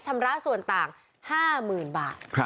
ชำระส่วนต่าง๕๐๐๐บาท